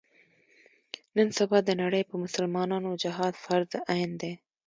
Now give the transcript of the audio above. نن سبا د نړۍ په مسلمانانو جهاد فرض عین دی.